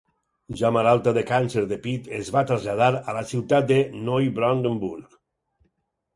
Ja malalta de càncer de pit, es va traslladar a la ciutat de Neubrandenburg.